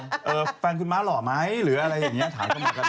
ก็ส่งเข้ามาบอกว่าฟังคุณมา่หรอไหมขอถามเข้ามาก็ได้